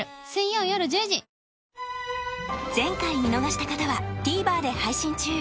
前回見逃した方はＴＶｅｒで配信中